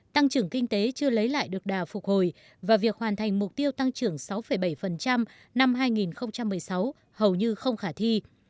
tăng trưởng kinh tế chưa lấy lại được đà phục hồi và việc hoàn thành mục tiêu tăng trưởng sáu bảy năm hai nghìn một mươi sáu hầu như không khả thi